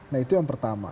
nah itu yang pertama